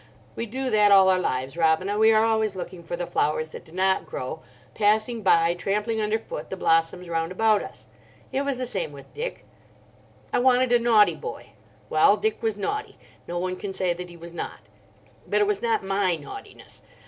We do that all our lives, Robina. We are always looking for the flowers that do not grow, passing by, trampling underfoot, the blossoms round about us. It was the same with Dick. I wanted a naughty boy. Well, Dick was naughty, no one can say that he was not. But it was not my naughtiness.